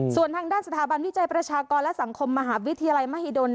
ส่วนทางด้านสถาบันวิจัยประชากรและสังคมมหาวิทยาลัยมหิดล